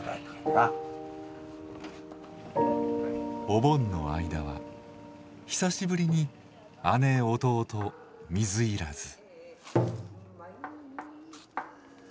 お盆の間は久しぶりに姉弟水入らず。